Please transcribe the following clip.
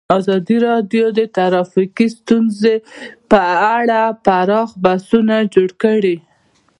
ازادي راډیو د ټرافیکي ستونزې په اړه پراخ بحثونه جوړ کړي.